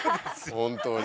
本当に？